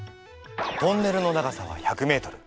トンネルの長さは１００ｍ。